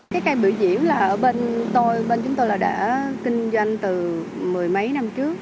cái cây bựa diễn là ở bên tôi bên chúng tôi đã kinh doanh từ mười mấy năm trước